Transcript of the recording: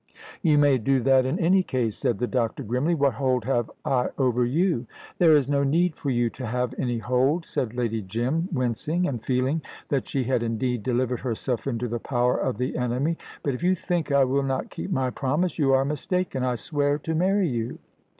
"You may do that in any case," said the doctor grimly. "What hold have I over you?" "There is no need for you to have any hold," said Lady Jim, wincing, and feeling that she had indeed delivered herself into the power of the enemy. "But if you think I will not keep my promise you are mistaken. I swear to marry you."